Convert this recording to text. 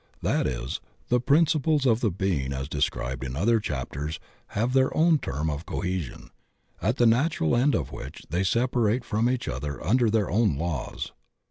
That is, the principles of the being as described in other chapters have their own term of cohesion, at the natural end of which they separate from each other under their own laws.